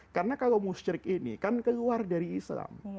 karena kalau musyrik ini kan keluar dari islam